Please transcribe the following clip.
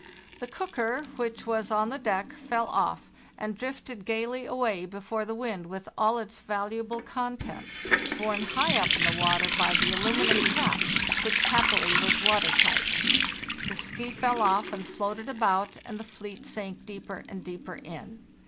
The cooker, which was on the deck, fell off, and drifted gayly away before the wind with all its valuable contents, borne high up in the water by the aluminium cap, which happily was water tight. The 'ski' fell off and floated about, and the fleet sank deeper and deeper in.